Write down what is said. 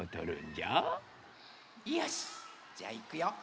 じゃあいくよ。